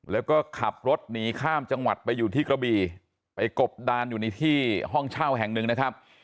แล้วก็ขับรถหนีข้ามจังหวัดไปอยู่ที่กระบีไปกบดานอยู่ในที่ห้องเช่าแห่งหนึ่งนะครับ